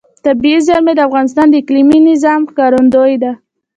طبیعي زیرمې د افغانستان د اقلیمي نظام ښکارندوی ده.